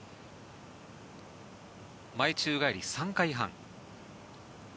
前宙返り３回半。